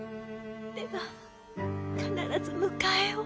では必ず迎えを。